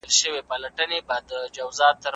د علم په مرسته موږ نړۍ پېژندلای سو.